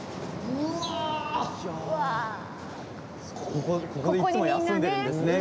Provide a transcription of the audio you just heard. ここでいっつも休んでるんですね